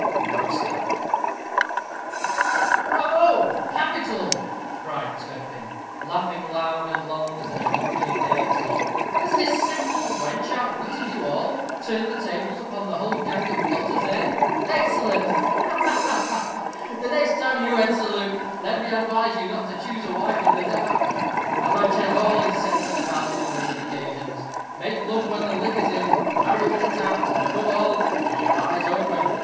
WEBSTER. "Bravo! capital!" cried Turpin, laughing loud and long as an Olympian deity; "has this simple wench outwitted you all; turned the tables upon the whole gang of plotters, eh? Excellent! ha, ha, ha! The next time you wed, Sir Luke, let me advise you not to choose a wife in the dark. A man should have all his senses about him on these occasions. Make love when the liquor's in; marry when it's out, and, above all, with your eyes open.